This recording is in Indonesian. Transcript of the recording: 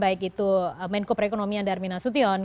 baik itu menko perekonomian darmina sution